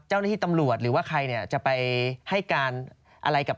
เจ้าหน้าที่ตำรวจหรือว่าใครเนี่ยจะไปให้การอะไรกับ